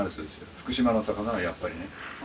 福島の魚はやっぱりね。